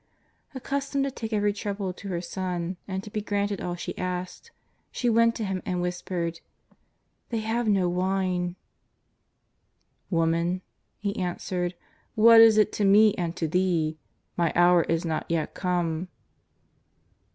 Accustomed to take every trouble to her Son, and to be granted all she asked, she went to Him and whispered :" They have no wine." ^' Woman," He answered, ^^ what is it to Me and to thee? My hour is not yet come."